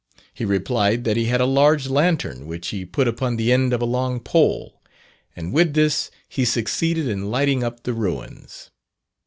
He replied that he had a large lantern, which he put upon the end of a long pole, and with this he succeeded in lighting up the ruins.